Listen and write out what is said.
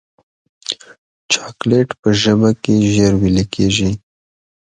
چاکلېټ په ژبه کې ژر ویلې کېږي.